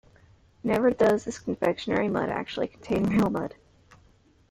Never does this confectionery mud actually contain real mud.